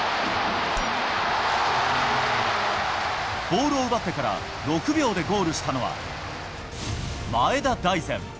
ボールを奪ってから６秒でゴールしたのは、前田大然。